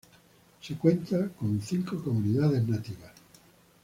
Se cuenta con cinco Comunidades Nativas.